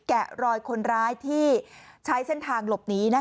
แกะรอยคนร้ายที่ใช้เส้นทางหลบหนี